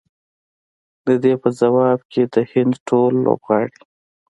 د دې په ځواب کې د هند ټول لوبغاړي